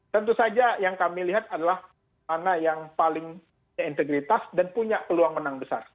tentu saja yang kami lihat adalah mana yang paling punya integritas dan punya peluang menang besar